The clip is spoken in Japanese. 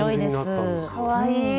かわいい。